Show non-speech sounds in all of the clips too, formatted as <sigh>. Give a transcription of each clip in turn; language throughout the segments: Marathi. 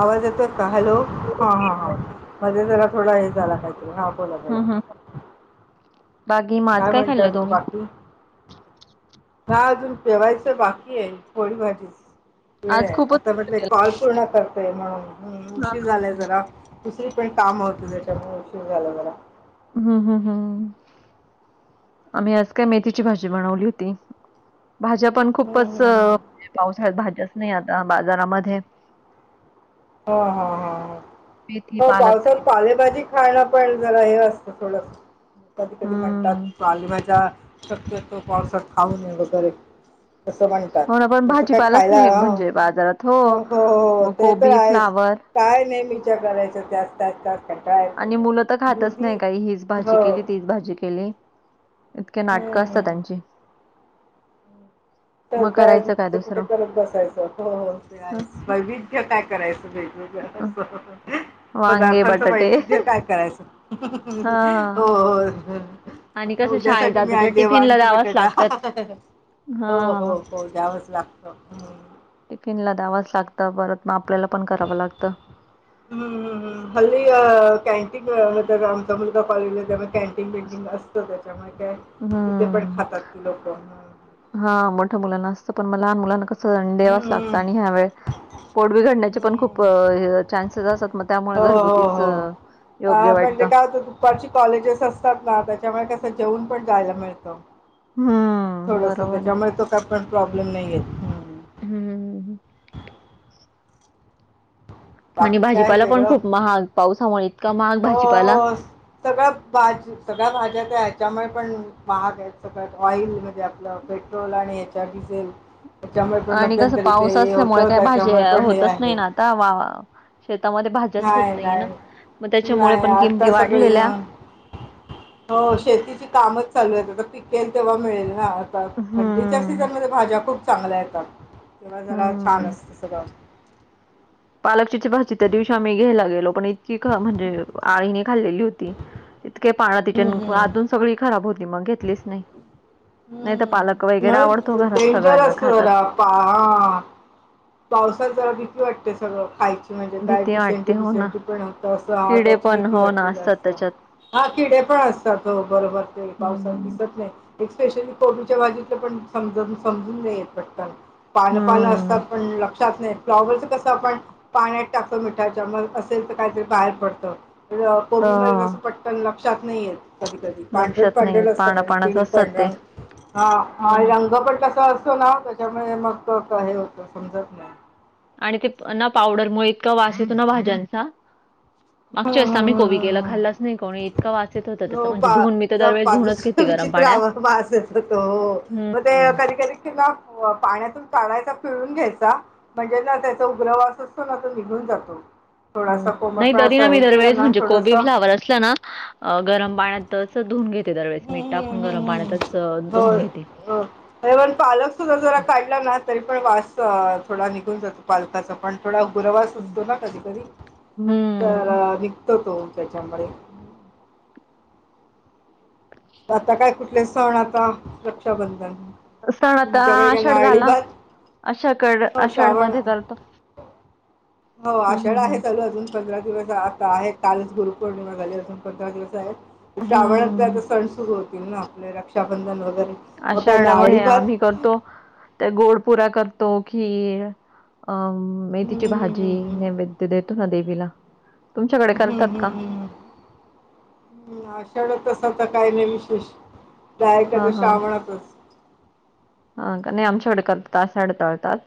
आवाज येतोय का हॅलो, हा हा हा हं मध्ये जरा थोडा हे झाला हा बोला ताई. हं बाकी मग आज काय म्हणताय खाल्लं मग तुम्ही? बाकी. हा अजून जेवायचं बाकी आहे पोळी भाजी. वेळ आज आहे खूपच आता उशीर म्हटले केला. कॉल पूर्ण करतेय म्हणून हां. उशीर झालाय जरा. दुसरी पण काम होत त्याच्यामुळे उशीर झालं जरा. हम्म हम्म हम्म आम्ही आज काय मेथीची भाजी बनवली होती. भाज्या पण हं, खूपच हं, हं. म्हणजे पावसाळ्यात भाज्याच आता बाजारामध्ये. हा हा ह मेथी, हो पालक पावसात पालेभाजी खायला पण जरा हे असतं थोडं, कधी कधी म्हणतात हं. पालेभाज्या शक्यतो पावसात खाऊ नये वगैरे, असं हो ना पण तसं काय भाजीपालाच खायला, नाही म्हणजे बाजारात हो हो हो मग तेच कोबी, फ्लावर काय नाहीे विचार करायचा त्याच त्याच त्याच. कंटाळा येतो आणि मुलं तर खातच दुधी नाही काही, हीच हो भाजी केली तीच भाजी केली. इतके नाटकं असतात हम्म त्यांची. मग करायचं काय तरच कुठे दुसरं? करत बसायचं हो हो ते अ, आहेच वै विज्य काय करायचं अ, भे <inaudible> <inaudible> वांगे, पदार्थांचं बटाटे वैवीद्य काय करायचं. हां. हो हो आणि आता कसं शाळेत उद्यासाठी जातो तर आणली आहे टिफिनला वांगी द्यावाच बटाटा, लागतात. हो हो हां. हो द्यायावंच लागतं. टिफिन ला द्यावच लागतं, परत मग आपल्याला पण करावं लागतं. हम्म हम हल्ली कॅन्टीन रामचा मुलगा कॉलेजला त्या कॅन्टीन बिंटीन असतं त्याच्यामुळे काय तिथे पण खातात लोकं हा मोठ्या मुलांना असतं पण मग लहान मुलांना कसं द्यावच हं. लागतं हं. आणि ह्या वेळ पोडव बिघडण्याचे पण खूप हं. चान्सेस असतात मग त्यामुळे हो, हो, घरगुतीच हो. योग्य अ, पण ते वाटतं काय होतं दुपारची कॉलेजेस असतात ना त्याच्यामुळे कसं जेऊन पण जायला मिळतं हम्म थोडस बरोबर आहे. त्याच्यामुळे तो काय पण प्रॉब्लेम नाही येत हं. हम्म हम म्हणजे बाकी काय भाजीपाला पण वेगळं खूप महाग पावसामुळे इतका महाग हो भाजीपाला हो सगळ्या भाज सगळ्या भाज्या त्या ह्याच्यामुळे पण महाड हे सगळ ऑइल म्हणजे आपलं पेट्रोल आणि ह्याच्या डिझेल च्यामुळे आणि कसं मध्यंतरी ते पाऊस हे होत असल्यामुळे काय त्याच्यामुळे भाज्या पण हे होतच नाही आहे ना वा वा शेतामध्ये भाज्याच होत नाही नाहीये ना नाही मग त्याच्यामुळे नाही पण किमती आता सगळी वाढलेल्या हो शेतीची कामच चालू आहेत आता पिकेल तेव्हा मिळेल हा तर थंडीच्या हम्म सीझनमध्ये भाज्या खूप चांगल्या येतात तेव्हा जरा छान हम्म असतं सगळं पालकची भाजी त्या दिवशी आम्ही घ्यायला आलेलो पण इतकी म्हणजे आळीणी खाल्लेली होती इतके पानं हम्म, तिच्या हम्म. अजून सगळी खराब होती मग घेतलीच नाही नाही तर पालक हम्म वगैरे आवडतो म्हण घरात डेंजर सगळ्यांना अस खातात जरा पान पावसात जरा भीती वाटते सगळं खायच म्हणजे काय भीती वाटते डिसेंटी हो ना बिसेंटी पण होतं असं ह किडे त्याची पण भीती हो ना वाटते असतात असं त्याच्यात हा किडे पण असतात बरोबर ते पावसाात हम्म दिसत नाही एक स्पेशली कोबिच्या भाजिच पण समजून समजून नाहीेत पटकन पानं पानं हम्म असतात पण लक्षात नाही येत फ्लॉवरच कसं आपण पाण्यात टाकत मिठाच्या मग असेल तर काहीतरी बाहेर पडतं कोबी मध्ये ह तसं पटकन लक्षात नाही येत कधी कधी पांढर लक्षात नाही येत पांढर पानं असतात पानच किती असतात ते पांढरंग हा हो ना आणि रंग पण तसा असतो ना त्याच्यामुळे मग हे होत समजत नाही आणि ते ना पावडरमुळे इतका वास येतो ना भाज्यांचा हम्म मागच्या हम्म वेळेस आम्ही कोबी केला हम्म खाल्लाचं नाही हम्म कोणी इतका वास येत होता त्याचा हो म्हणजे धुवून मी तर पा दरवेळेस धुवूनच घेते पासरं गरम विचित्र पाण्यात. आवाज येतो तो हम्म. मग ते हम्म. कधी कधी किंवा पाण्यातून काढायचा पिळून घ्यायचा म्हणजे त्याचा उग्रवास असतो ना निघून जातो थोडासा हम्म नाही कोमटपणा तरी ना असं मी हे केलं दरवेळेस ना म्हणजे थोडस कोबी हम्म फ्लावर असलं ना गरम पाण्यात तसच धुऊून घेते दरवेळेस मीठ टाकून हम्म गरम हम्म हम्म पाण्यातच धुऊून होय घेते हो. पालक सुद्धा जरा काढला ना तरी पण वास थोडा निघून जातो पालकाचा पण थोडा गुरवास हम्म. असतो ना कधी कधी हम्म. तर निघतो तो त्याच्यामुळे आता काय कुठले सण आता रक्षाबंधन तुमच्याकडे काय नारळीभात अशाकड आषाढ मध्ये चालतो हो आषाढ आहे हं. चालू अजून पंधरा दिवस आहे कालच गुरुपौर्णिमा झाली असून पंधरा दिवस आहेत श्रावणातले हम्म. आता सण सुरू होतील ना आपले रक्षाबंधन वगैरे मग काय आषाढ व हे नारळी भात आम्ही करतो ते गोड पुऱ्या करतो खीर अ हं, मेथीची हं, भाजी हं, हं. नैवेद्य ते देतो ना देवीला तुमच्याकडे करतात का ह आषाढ असं तस आता काही नाही विशेष जायचं तर हां, श्रावणातच ह का नाही आमच्याकडे करतात आषाढ तळतात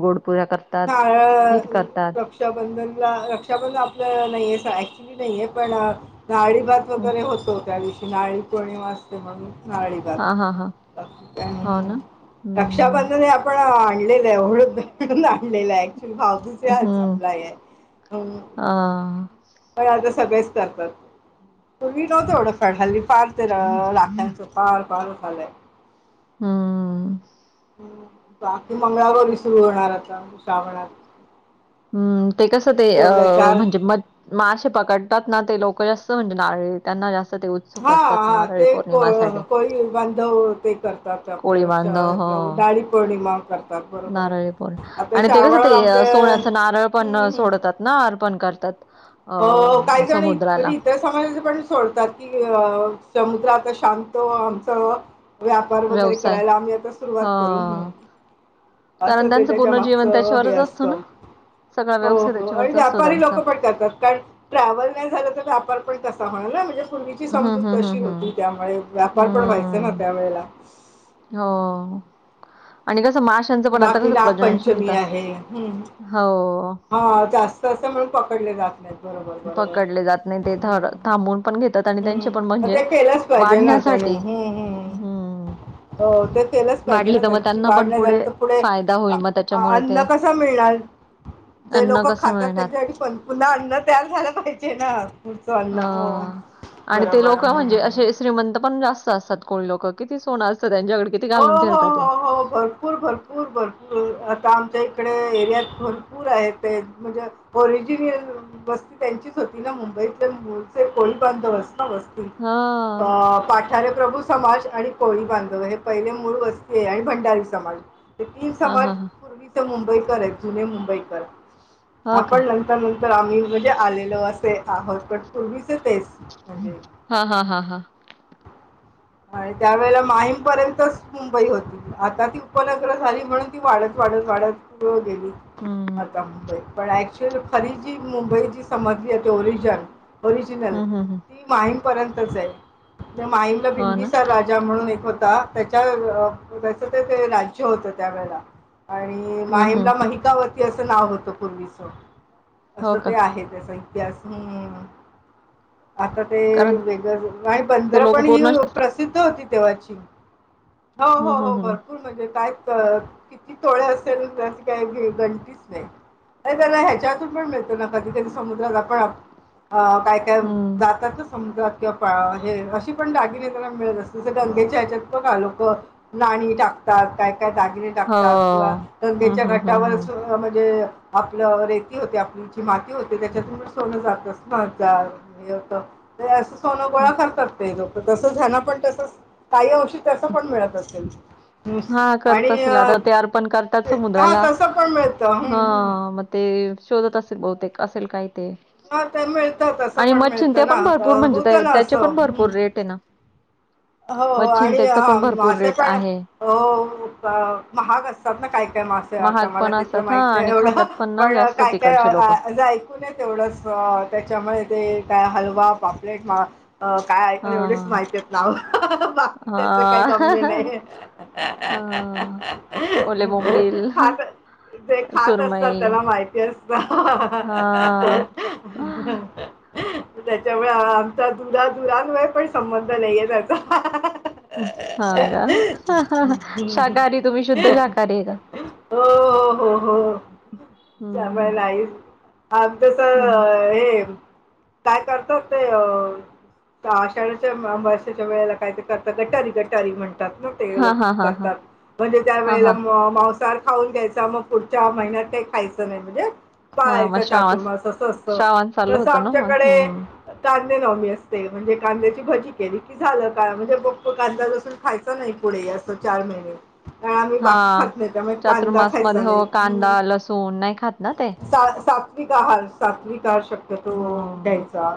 गोड पुऱ्या कर <unintelligible> रक्षाबंधनला रक्षाबंधन आपलं नाहीेये ऍक्च्युली नाहीे पण नारळीभात हं. वैगेरे होतो त्या दिवशी नारळीपौर्णिमा असते म्हणून नारळीभात हां, हां, हां. बाकी काय हो म्हणुन ना? हं, रक्षाबंधनला पण आणलेलं <inaudible> ओळून आणलेलं आहे ऍक्च्युली भा दुसऱ्याच हं. आपला हे आहे अं हां. फराळ तर सगळेच करतात पूर्वी नव्हतं एवढं फार हल्ली फार तेला <unintelligible> हम्म आहे बाकी मंगळागौरी सुरू होणार आता श्रावणात हम्म ते कसं ते अ तेवढ्या चार म्हणजे म मासेे पकडतात ना ते लोक जास्त म्हणजे नारळी त्यांना जास्त ते उत्सुक असतात हा नारळी ते को पौर्णिमासाठी. कोळीबांधव ते करतात आपलं कोळी रक्षा बांधव. आपलं हो. नारळी पौर्णिमा कर नारळी पौरं आणि ते कसं ते आमच्या सोन्याचं नारळ पण हम्म, हम्म. सोडतात ना अर्पण करतात अ समुद्राला त्या समाजाच पण सोडतात की अ समुद्र आता शांत आमचं व्यापार वगैरे व्यवसाय करायला आम्ही आता सुरुवात हा करू. कारण असं ते त्यांचं त्याच्या पूर्ण जीवन मागचं हे त्याच्यावरच असतो असतं. ना. सगळा हो व्यवसाय हो आणि त्याच्यावरच असतो व्यापारी त्यांचा लोक पण करतात. कारण ट्रॅव्हल नाही झालं तर व्यापार पण कसा होणार ना म्हणजे पूर्वीची हम्म हम्म समजूत हम्म तशी होती हम्म त्यामुळे व्यापार पण व्हायचा ना हम्म त्या वेळेला हो आणि कसं माशांचं पण आता बाकी कसं प्रजनन नागपंचमी क्षमता हो हा जास्त असतं म्हणून पकडले जात नाहीत. बरोबर, बरोबर. पकडले जात नाही ते हं, हं. थांबून पण घेतात आणि हम्म. त्यांचे पण मग म्हणजे ते केलंच पाहिजे ना त्यांनी वाढण्यासाठी हम्म, हम्म हो ते केलंच पाहिजे वाढले ना तर नव्हे मग त्यांची त्यांना वाढ पण नाही पुढे झाली तर फायदा अ- होईल मग अ- त्याच्यामुळे अन्न ते कसं मिळणार <inaudible> जे लोकं कसं खातात मिळणार? त्यांच्यासाठी पण पुन्हा अन्न तयार झालं पाहिजे ना पुढचं अन्न हो हा आणि ते बरोबर लोकं म्हणजे हम्म. अशे श्रीमंत पण जास्त असतात कोळी लोकं किती सोनं असतं त्यांच्याकडे घालून हो हो फिरतात ते. हो हो भरपूर भरपूर भरपूर आता इकडे एरियात भरपूर आहेत ते म्हणजे ओरिजिनल वस्ती त्यांचीच होती ना मुंबईतले मुळचे कोळी बांधव असणारच हां. अ पाठारे प्रभू समाज आणि कोळी बांधव हे पहिले मूळ वस्तीय आणि भंडारी समाज हे तीन हां, समाज हां, हां. पूर्वी ते मुंबईकर आहेत जुने मुंबईकर हो का? आपण त्यानंतर आम्ही म्हणजे आलेलो असे आहोत पण पूर्वीचे तेच म्हणजे हा हा हा हा आणि त्यावेळेला माहीमपर्यंतच मुंबई होती आता ती उपनगरं झाली म्हणून ती वाढत वाढत वाढत हो गेली हं. आता मुंबई पण शिर्फ फरीजी मुंबईची समग्री ते ओरिजन ओरिजिनल हं, हं, हं. ती माहीमपर्यंतच ये माहीमला भि हो ना? राजा म्हणून एक होता त्याच्या त्याच त्याच राज्य होत त्यावेेळेला आणि हं, हं. माहिमला महिकावती असं नाव होतं पूर्वीचं हो असं का? ते आहे त्याचा इतिहास ह आता ते कारण वेगंळ आणि ते बंदर लोकं पण ही पूर्ण असतात. प्रसिद्ध होती तेव्हाची हो हो हं, हं, हो हं. भरपूर म्हणजे काय क किती तोळे असेल त्याची काय गणतीच नाय नाही त्याला ह्याच्यातून पण मिळतो ना कधी कधी समुद्राला पण आप आ काय हे हं. जातात ना समुद्रात किंवा पळा हे अशी पण दागिने - गंगेच्या ह्याच्यात बघा लोक नाणी टाकतात काय काय दागिणे हो. टाकतात किंवा हं, गंगेच्या हं, हं, हं. घाटावरच म्हणजे आपलं रेती होते आपजची माती होते त्याच्यातून सोनं जात असणार त्यात. अस सोनं गोळा हं. करतात ते लोक तसच ह्यांना पण तसच काही होऊ शक - तस पण मिळत असेल हम्म. हा करत आणि असेल अ, आता ते अर्पण करतात हा समुद्राला तसं पण मिळतं हा हं, हं. म ते शोधत असेल बहुतेक असेल काय ते हा ते मिळतं तसं आणि पण मच्छिन ते मिळतं ना पण अ, भरपूर म्हणजे होतं ना त्याचे असं पण हं. भरपूर रेट आहे ना हो मग हो आणि चिंतेचा हा पण भरपूर मासे रेट पण आहे. अ महाग असतात ना काही काही मासे. आता महाग मला पण तिथलं असतात हा माहित नाही आणि एवढं खातात ना पण जास्त काय काय तिकडचे लोक अ जाय पुण्यात तेवढंच त्याच्यामुळे ते काय हलवा पापलेट मा अ काय ऐका एवढेच हा. माहिती येत नाव बाकी त्यातलं काही गम्य हा. नाही हा हा तेे खात असतात त्याला माहिती असत हा हा. त्याच्यामुळे आमचा दुरादुरवरय पण संबंध नाहीये त्याचा हा का शाकाहारी तुम्ही शुद्ध शाकाहारी आहे का? <unintelligible> हो हो हो हो सगळ हम्म लाईफ आ जस हम्म हे काय करतो ते अ आषाढीच्या - त्याच्या वेळेला काय ते करतात गटारी गटारी म्हणतात ना. ते हा लोक हा हा हा करतात म्हणजे त्या हा वेळेला हा माउस खाऊन द्यायचा मग पुढच्या महिन्यात काही खायचं नाही म्हणजे हा मग पाळायचं श्रावण चातुर्मास असं असतं श्रावण चालू तसं होतं ना मग आमच्याकडे हम्म. कांदे नवमी असते म्हणजे कांद्याची भजी केली. झालं काय म्हणजे बप्प कांदा लसूण खायचा नाई पुढे असं चार महिने हा आम्ही बाकी खात नाही त्यामुळे कांदा चातुर्मास मध्ये खायचा हो नाही कांदा हम लसूण नाही खात ना ते सात सात सात्विक आहार सात्विक आर् शक्ती तो हा द्यायचा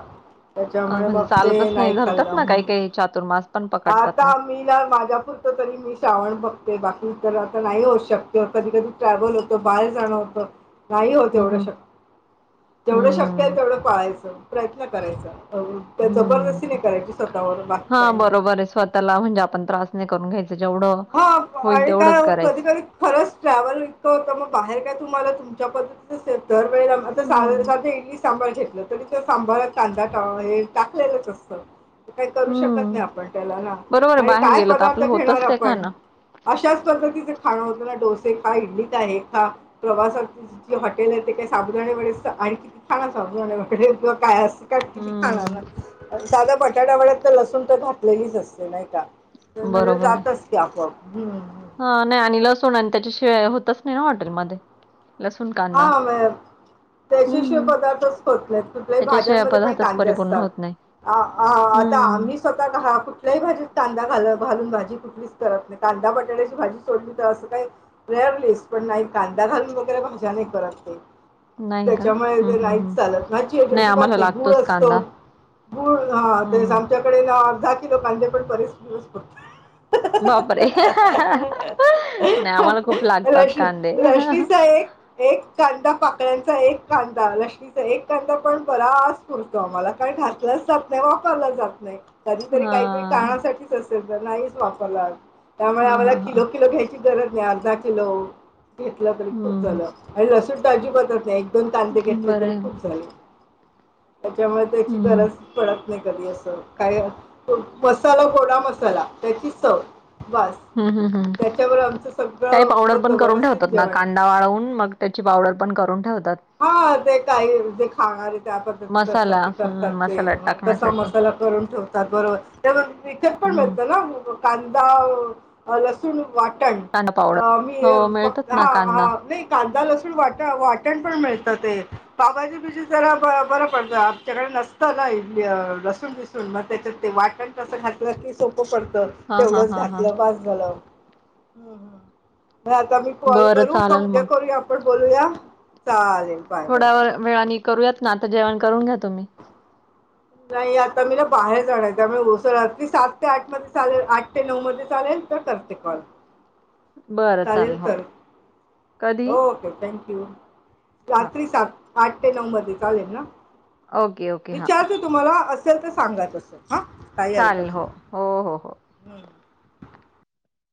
त्याच्यामुळे मग ते नाही खाल्लं हम चातुरमास आता मीला माझ्यापुरतं तरी मी श्रावण बघते बाकी इतरांच नाही होत शक्य कधी कधी ट्रॅव्हल होत बाहेर जाणं होतं. नाही होत हम्म एवढ शक्य जेवढं शक्य होइल हम्म तेवढं पाळायचं प्रयत्न करायचं हम्म हम्म जबरदस्ती नाही करायची स्वतःवर बाकी हा काही नाही बरोबर आहे, स्वतःला म्हणजे आपण त्रास नाही करून घ्यायचा. जेवढं हा होईल आणि तेवढंच काय ओ कधी करायचं कधी खरंच ट्रॅव्हल इतकं होतं, मग बाहेर काय तुम्हाला तुमच्या पद्धतीचं दर वेळेला हम्म आता <unintelligible> इडली सांबार घेतलं तरी त्या सांबारात कांदा हे टाकलेलंच असतं. काही करू शकत हम्म नाही आपण त्याला ना बरोबर आहे आणि बाहेर काय गेलं तर पदार्थ आपलं घेणार. होतच ते आपण खाणं अशाच पद्धतीचे खाणं होतं ना, डोसे खा इडली का हे खा प्रवासात. हॉटेल आहे ते काय साबुदाणा वडे आणि किती खा साबुदाणा किंवा काय अस किती खाणार हम्म ना, साधा बटाटा वड्यात तर लसूण तर घातलेलीच असते नाही का? तर म्हणजे बरोबर आहे जातचं ते आपोआप. हम्म. हा नाही आणि लसूण आणि त्याच्या शिवाय होतचं नाही ना हॉटेलमध्ये. लसूण, कांदा. हा म्हणजे त्याच्याशिवाय हम्म पदार्थच होत नाहीत, कुठल्याही त्याच्याशिवाय भाज्यांमध्ये पण पदार्थच कांदे परिपूर्ण असतात. होत नाही आ आ आता हम्म आम्ही स्वतः घरात कुठल्याही भाजीत कांदा घाल घालून भाजी क मिस करत नाही. कांदा, बटाट्याची भाजी सोडली तर असं काय रेअरलीस पण नाही कांदा घालून वगैरे भाज्या नाई करत ते. नाही का? त्याच्यामुळे हं, ते हं, नाहीच हं. चालत ना, अजिबात खात आम्हाला नाही गुळ लागतोच असतो. कांदा. गुळ हा ते हं. आमच्याकडे आर्धा किलो कांदे पण बरेच दिवस पुरतं. बापरे. नाही आम्हाला खूप लागतात लक्ष्मी कांदे. लक्ष्मीचा एक एक कांदा पाकळ्यांचा एक कांदा ल एक कांदा पण बराच पुरतो आम्हाला, काय घातलाच जात नाही, वापरला जात नाही. कधीतरी काहीतरी हां. कारणासाठीच असेल तर, नाहीच वापरला जात. त्यामुळे हां, आम्हाला हां, हां. किलो किलो घ्याय ची गरज नाही. अर्धा किलो घेतला तर ही खुप हं. झालं. अशी भाजी बनत नई. दोन कांदे घेतले बरं तरी आहे. खूप झाले. त्याच्यामुळे त्याची हं. गरज पडत नाही कधी असं, काय मसाला गोडा मसाला त्याची सवय बस हं, हं, हं. त्याच्यावर आमचं काही सगळं पावडर पण होतं करून व्यवस्थित ठेवतात ना जेवण. कांदा वाळवून मग त्याची पावडर पण करून ठेवतात. हा ते काही जे खाणार आहे त्या पद्धतीचं असतात मसाला ते करतात हं, ते. मसाला तसा टाकण्यासाठी. मसाला करून ठेवतात बरोबर. त्या विकत पण हं. मिळतं ना? कांदा अ लसूण वाटण कांदा पावडर. अ मी हो, फक मिळतात ना हा हा कांदा. नाही कांदा लसूण वाट वाटण कुठं पण मिळत ते. पावभाजी बीजी जरा बर पडत आमच्याकडे नसतं ना लसूण बिस सून मग त्याच्यात ते वाटण तसं घातलं की सोपं पडतं. हां, हां, तेवढंच हां, हां. घातलं बास झालं. हम्म हम्म. मग आता मी कॉल बरं करू का चालेल उद्या मग. करूया आपण बोलूया? चालेल. बाय बाय थोड्या व बाय वेळाने करूयात ना, आता जेवण करून घ्या तुम्ही. नाही आता मी ना बाहेर जाणार आहे, त्यामुळे मोस्टली सात ते आठ मध्ये चालेल? आठ ते नऊ मध्ये चालेल तर करते कॉल. बरं चालेल हो. तर, कधी? हो ओके थँ क्यू. हां. रात्री सात आठ ते नऊ मध्ये चालेल ना? ओके. ओके. हां. विचारते तुम्हाला असेल तर सांगा तसं, हा काही चालेल. हरकत हो. हो, हो, हो. नाही.